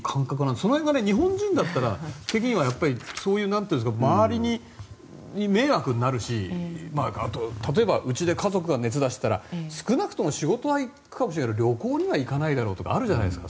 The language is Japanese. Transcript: その辺が日本人的には周りに迷惑になるしあと、例えばうちで家族が熱を出していたら少なくとも仕事は行くかもしれないけど旅行は行かないだろうとかあるじゃないですか。